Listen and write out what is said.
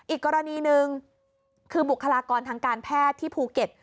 อีกกรณีหนึ่งคือบุคลากรทางการแพทย์ที่ภูเก็ต